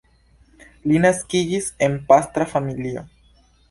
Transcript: Li naskiĝis en pastra familio.